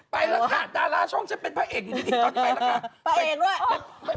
ไปแล้วค่ะดาราช่องฉันเป็นพระเอกอยู่ดีตอนนี้ไปแล้วค่ะ